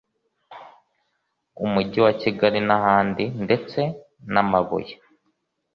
Umujyi wa Kigali n’ahandi ndetse n’amabuye